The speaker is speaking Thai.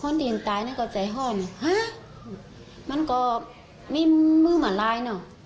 มีภาพคนครับ